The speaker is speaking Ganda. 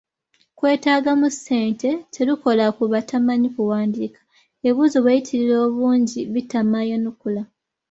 Kwetaagamu ssente, terukola ku batamanyi kuwandiika, ebibuuzo bwe biyitirira obungi bitama ayanukula.